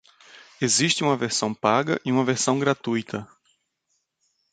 Existe uma versão paga e uma versão gratuita.